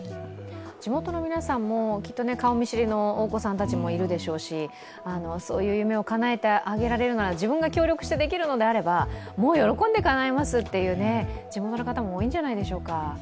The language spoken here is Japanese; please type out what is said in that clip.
地元の皆さんもきっと顔見知りのお子さんもいるでしょうしそういう夢をかなえてあげられるなら、自分が協力してあげられるのであればもう喜んでかなえますという地元の方も多いんじゃないでしょうか。